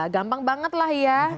gampang banget lah ya